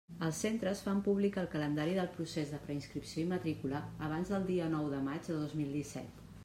Els centres fan públic el calendari del procés de preinscripció i matrícula abans del dia nou de maig de dos mil disset.